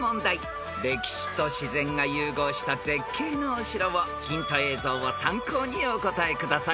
［歴史と自然が融合した絶景のお城をヒント映像を参考にお答えください］